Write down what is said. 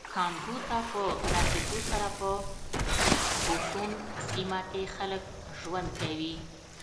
کانګو ته په رسېدو سره په بوشونګ سیمه کې خلک ژوند کوي